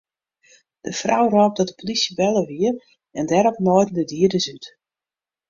De frou rôp dat de polysje belle wie en dêrop naaiden de dieders út.